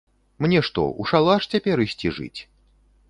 Мне што, у шалаш цяпер ісці жыць?